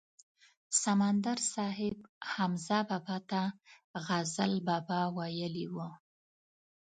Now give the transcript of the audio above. سمندر صاحب حمزه بابا ته غزل بابا ویلی و.